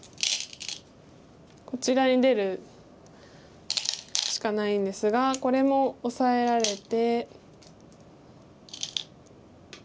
こちらに出るしかないんですがこれもオサえられて。